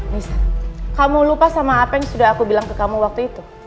nisa kamu lupa sama apa yang sudah aku bilang ke kamu waktu itu